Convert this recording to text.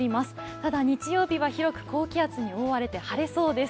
ただ日曜日は広く高気圧に覆われて晴れそうです。